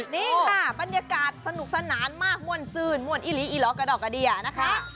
นี่ค่ะบรรยากาศสนุกสนานมากม่วนซื่นมวลอิหลีอีหลอกระดอกกระเดียนะคะ